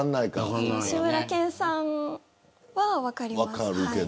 志村けんさんは分かります。